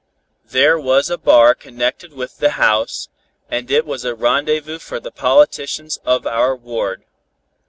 There was a bar connected with the house, and it was a rendezvous for the politicians of our ward.